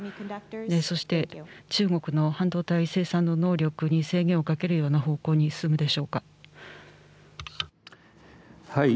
そして中国の半導体生産の能力に制限をかけるような方向に進むでしょうか。